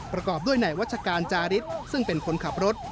ประกอบด้วยในวัชการจาริสซึ่งเป็นคนขับรถ